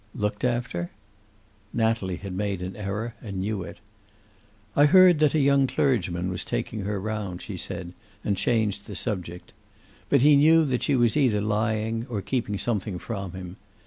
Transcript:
"Looked after?" Natalie had made an error, and knew it. "I heard that a young clergyman was taking her round," she said, and changed the subject. But he knew that she was either lying or keeping something from him.